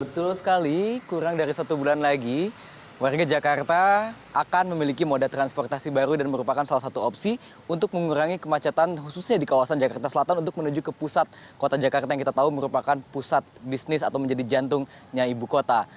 betul sekali kurang dari satu bulan lagi warga jakarta akan memiliki moda transportasi baru dan merupakan salah satu opsi untuk mengurangi kemacetan khususnya di kawasan jakarta selatan untuk menuju ke pusat kota jakarta yang kita tahu merupakan pusat bisnis atau menjadi jantungnya ibu kota